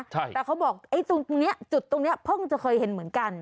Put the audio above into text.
แต่เขาบอกไอ้ตรงนี้จุดตรงนี้เพิ่งจะเคยเห็นเหมือนกัน